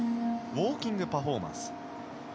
ウォーキングパフォーマンス。